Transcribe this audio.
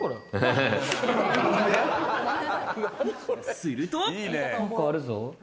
すると。